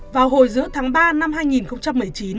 vào hồi giữa tháng ba năm hai nghìn một mươi chín